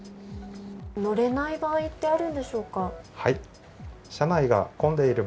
乗れない場合ってあるんでし